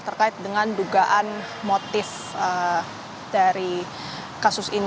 terkait dengan dugaan motif dari kasus ini